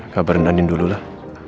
kabarin dandin dulu lah